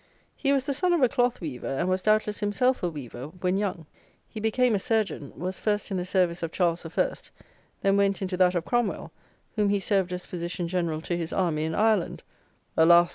He was the son of a cloth weaver, and was, doubtless, himself a weaver when young. He became a surgeon, was first in the service of Charles I.; then went into that of Cromwell, whom he served as physician general to his army in Ireland (alas!